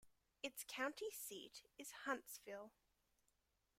Its county seat is Huntsville.